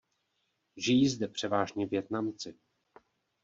Žijí zde převážně Vietnamci.